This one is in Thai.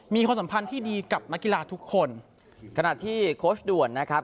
ความสัมพันธ์ที่ดีกับนักกีฬาทุกคนขณะที่โค้ชด่วนนะครับ